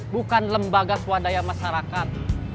bukan lembaga swadaya masyarakat